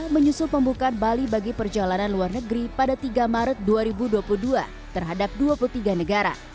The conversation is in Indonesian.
menyusul pembukaan bali bagi perjalanan luar negeri pada tiga maret dua ribu dua puluh dua terhadap dua puluh tiga negara